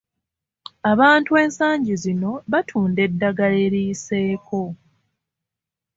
Abantu ensangi zino batunda eddagala eriyiseeko.